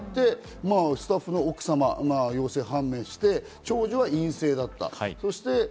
スタッフの奥様も陽性判明して、長女は陰性だった。